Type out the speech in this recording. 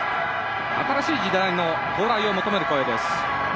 新しい時代の到来を求める声です。